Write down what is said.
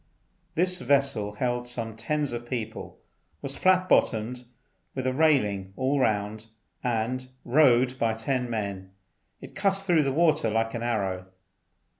This vessel held some tens of people, was flat bottomed with a railing all round, and, rowed by ten men, it cut through the water like an arrow.